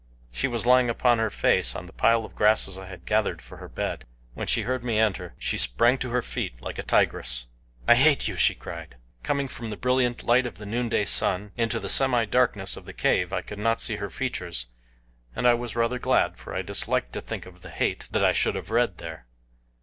She was lying upon her face on the pile of grasses I had gathered for her bed. When she heard me enter she sprang to her feet like a tigress. "I hate you!" she cried. Coming from the brilliant light of the noonday sun into the semidarkness of the cave I could not see her features, and I was rather glad, for I disliked to think of the hate that I should have read there.